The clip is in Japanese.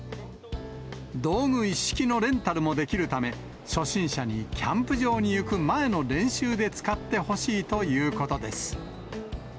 道具一式のレンタルもできるため、初心者にキャンプ場に行く前の練習で使ってほしいということです。